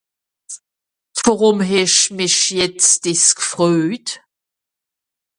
Worùm hesch mich jetz dìss gfröjt ?